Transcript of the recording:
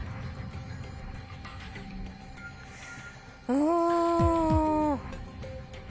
うん。